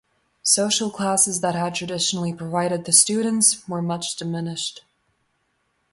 Social classes that had traditionally provided the students were much diminished.